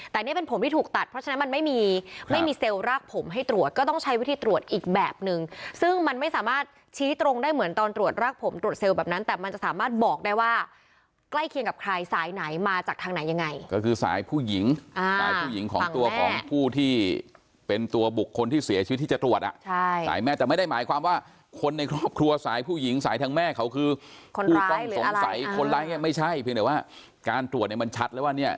แต่นี่เป็นผมที่ถูกตัดเพราะฉะนั้นมันไม่มีไม่มีเซลล์รากผมให้ตรวจก็ต้องใช้วิธีตรวจอีกแบบหนึ่งซึ่งมันไม่สามารถชี้ตรงได้เหมือนตอนตรวจรากผมตรวจเซลล์แบบนั้นแต่มันจะสามารถบอกได้ว่าใกล้เคียงกับใครสายไหนมาจากทางไหนยังไงก็คือสายผู้หญิงของตัวของผู้ที่เป็นตัวบุคคลที่เสียชีวิตที่จะต